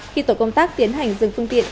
khi tổ công tác tiến hành dừng phương tiện